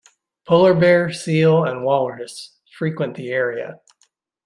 Polar bear, seal, and walrus frequent the area.